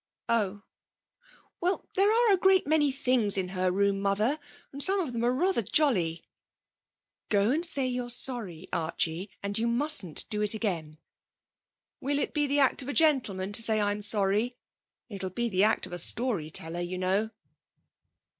'Oh. Well, there are a great many things in her room, Mother; some of them are rather jolly.' 'Go and say you're sorry, Archie. And you mustn't do it again.' 'Will it be the act of a gentleman to say I'm sorry? It'll be the act of a story teller, you know.'